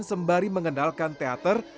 dan kembali mengendalkan teater